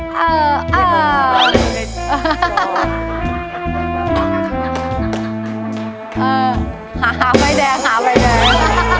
หาไฟแดงหาใบแดง